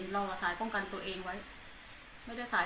ยิ้มยอดเยอะไว้ให้พ่อแมวพ่อแมวรู้สึกอย่างไรครับ